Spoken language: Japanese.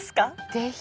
ぜひ。